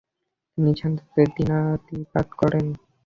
তিনি শান্তিতে দিনাতিপাত করেন।